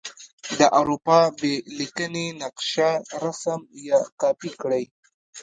د اروپا بې لیکنې نقشه رسم یا کاپې کړئ.